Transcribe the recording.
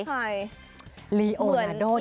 เหมือนลีโอนาโดรหรอ